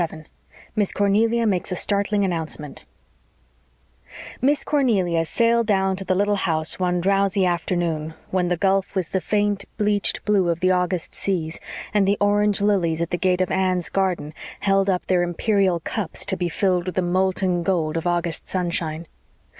CHAPTER 37 MISS CORNELIA MAKES A STARTLING ANNOUNCEMENT Miss Cornelia sailed down to the little house one drowsy afternoon, when the gulf was the faint, bleached blue of the August seas, and the orange lilies at the gate of Anne's garden held up their imperial cups to be filled with the molten gold of August sunshine.